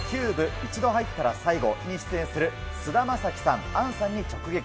一度入ったら、最後を出演する菅田将暉さん、杏さんに直撃。